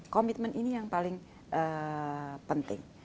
komitmen ini yang paling penting